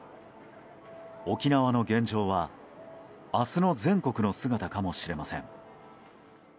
沖縄の現状は明日の全国の姿かもしれません。